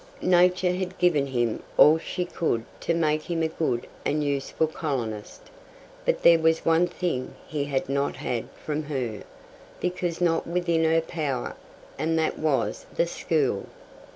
Nature had given him all she could to make him a good and useful colonist; but there was one thing he had not had from her, because not within her power, and that was the school.